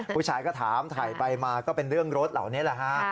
ผู้ชายก็ถามถ่ายไปมาก็เป็นเรื่องรถเหล่านี้แหละฮะ